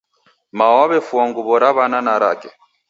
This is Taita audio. Mao wawefua nguwo Ra Wana na rake.